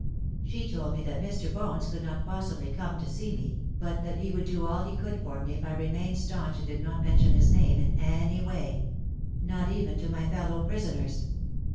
She told me that Mr. Bones could not possibly come to see me, but that he would do all he could for me if I remained staunch and did not mention his name in any way—not even to my fellow prisoners.